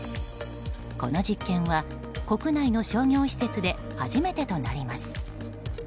この実験は国内の商業施設で初めてとなります。